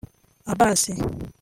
Abbas